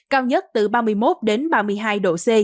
cao nhất từ ba mươi một đến ba mươi hai độ c